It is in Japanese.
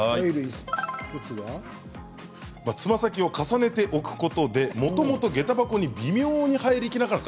つま先を重ねて置くことでもともとげた箱に微妙に入りきらなかった